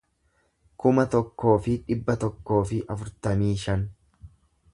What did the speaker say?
kuma tokkoo fi dhibba tokkoo fi afurtamii shan